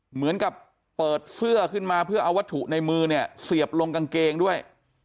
เหมือนกับเปิดเสื้อขึ้นมาเพื่อเอาวัตถุในมือเนี่ยเสียบลงกางเกงด้วย